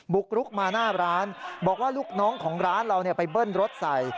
กรุกมาหน้าร้านบอกว่าลูกน้องของร้านเราไปเบิ้ลรถใส่